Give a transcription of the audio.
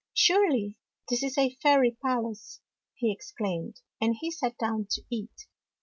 "Surely this is a fairy palace!" he ex claimed; and he sat down to eat.